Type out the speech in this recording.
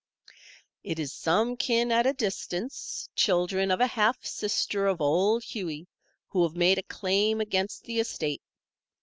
"It is some kin at a distance, children of a half sister of Old Hughie, who have made a claim against the estate.